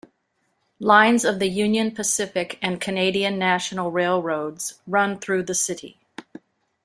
Lines of the Union Pacific and Canadian National railroads run through the city.